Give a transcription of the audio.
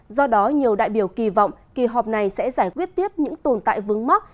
do đó nhiều đại biểu kỳ vọng kỳ họp này sẽ giải quyết tiếp những tồn tại vướng mắc